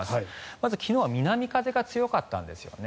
まず昨日は南風が強かったんですよね。